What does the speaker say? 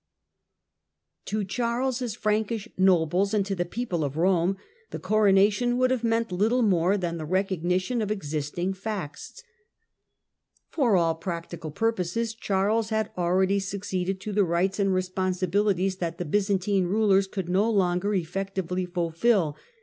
Thesignifi To Charles' Frankish nobles and to the people of imperial Rome the coronation would have meant little more than reviva ^ e recognition of existing facts. For all practical purposes Charles had already succeeded to the rights and responsibilities that the Byzantine rulers could no longer effectively fulfil.